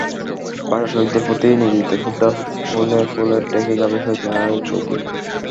ভাষাশহীদদের প্রতি নিবেদিত শ্রদ্ধার ফুলে ফুলে ঢেকে যাবে শহীদ মিনারের বেদি।